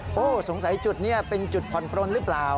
โอ้โหสงสัยจุดนี้เป็นจุดผ่อนปลนหรือเปล่า